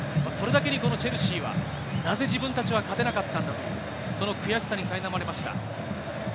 それだけにチェルシーはなぜ自分たちは勝てなかったんだと、その悔しさに苛まれました。